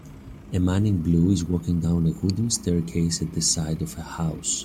A man in blue is walking down a wooden staircase at the side of a house.